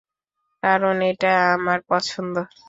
কারণ, এটা আমার পছন্দ।